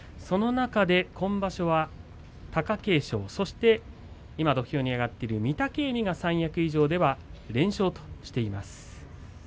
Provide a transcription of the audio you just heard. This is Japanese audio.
今場所は貴景勝、今土俵に上がっている御嶽海が三役以上では全勝としています。